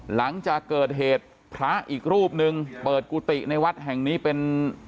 หลังจากเกิดเหตุพระอีกรูปหนึ่งเปิดกุฏิในวัดแห่งนี้เป็น